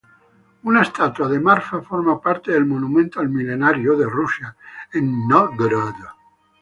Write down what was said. Una estatua de Marfa forma parte del monumento al Milenario de Rusia en Nóvgorod.